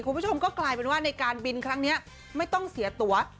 คุณผู้ชมก็กลายเป็นว่าในการบินครั้งนี้ไม่ต้องเสียตัว